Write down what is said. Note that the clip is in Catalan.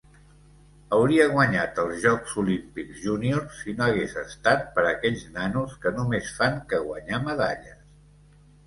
Hauria guanyat els Jocs Olímpics Júnior si no hagués estat per aquells nanos que només fan que guanyar medalles.